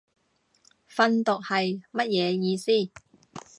訓讀係乜嘢意思